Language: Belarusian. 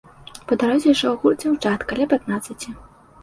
Па дарозе ішоў гурт дзяўчат, каля пятнаццаці.